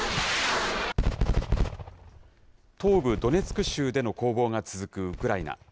東部ドネツク州での攻防が続くウクライナ。